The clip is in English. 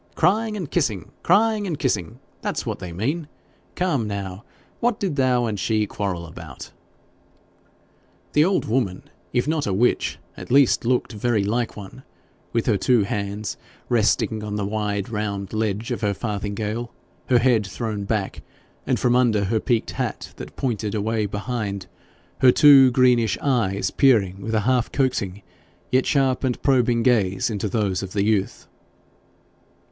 Crying and kissing crying and kissing that's what they mean. Come now what did thou and she quarrel about?' The old woman, if not a witch, at least looked very like one, with her two hands resting on the wide round ledge of her farthingale, her head thrown back, and from under her peaked hat that pointed away behind, her two greenish eyes peering with a half coaxing, yet sharp and probing gaze into those of the youth.